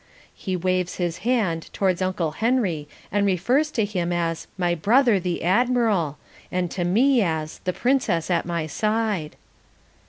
He waves his hand towards Uncle Henry and refers to him as "my brother the Admiral," and to me as "the Princess at my side."